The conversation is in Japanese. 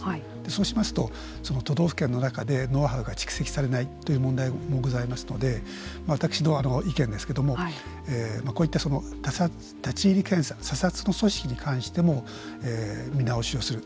そうしますと都道府県の中でノウハウが蓄積されないという問題もございますので私の意見ですけれどもこういった立ち入り検査査察に関しても見直しをする。